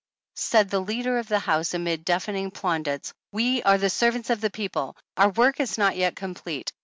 Said the leader of the House, amid deafening plaudits : ''We are the servants of the people. Our work is not yet complete.